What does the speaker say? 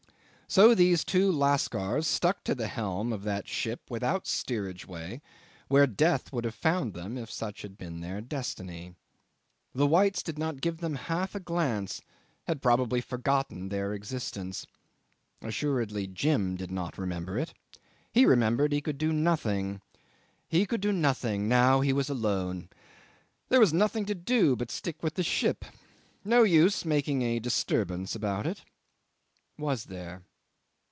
'So these two lascars stuck to the helm of that ship without steerage way, where death would have found them if such had been their destiny. The whites did not give them half a glance, had probably forgotten their existence. Assuredly Jim did not remember it. He remembered he could do nothing; he could do nothing, now he was alone. There was nothing to do but to sink with the ship. No use making a disturbance about it. Was there?